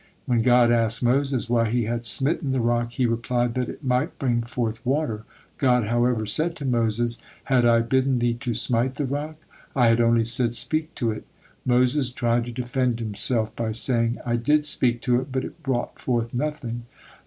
When God asked Moses why he had smitten the rock, he replied: "That it might bring forth water." God, however, said to Moses: "Had I bidden thee to smite the rock? I had only said, 'Speak to it.'" Moses tried to defend himself by saying, "I did speak to it, but it brought forth nothing."